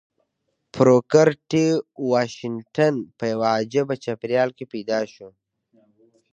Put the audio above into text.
بروکر ټي واشنګټن په يوه عجيبه چاپېريال کې پيدا شو.